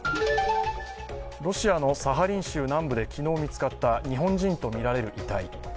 ロシアのサハリン州南部で昨日見つかった日本人とみられる遺体。